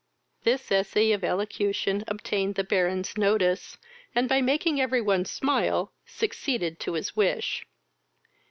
This essay of elocution obtained the Baron's notice, and, by making every one smile, succeeded to his wish.